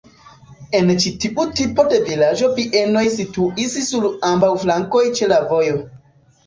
En ĉi tiu tipo de vilaĝo bienoj situis sur ambaŭ flankoj ĉe la vojo.